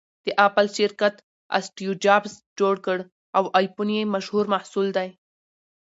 د اپل شرکت اسټیوجابز جوړ کړ٬ او ایفون یې مشهور محصول دی